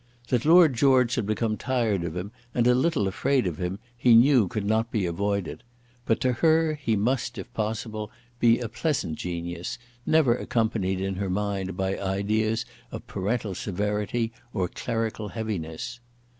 That Lord George should become tired of him and a little afraid of him he knew could not be avoided; but to her he must, if possible, be a pleasant genius, never accompanied in her mind by ideas of parental severity or clerical heaviness.